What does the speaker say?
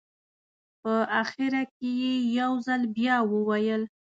په اخره کې یې یو ځل بیا وویل.